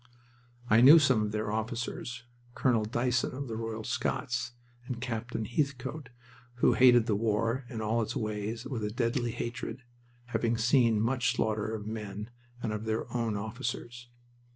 I knew some of their officers Colonel Dyson of the Royal Scots, and Captain Heathcote, who hated the war and all its ways with a deadly hatred, having seen much slaughter of men and of their own officers.